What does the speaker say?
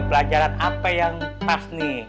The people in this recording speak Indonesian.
pelajaran apa yang pas nih